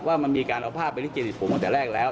แล้วมันมีการเอาภาพไปชีวิตผมจากแรกแล้ว